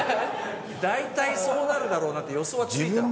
大体そうなるだろうなって予想はついた。